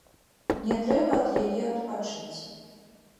Мне трэба ад яе адпачыць.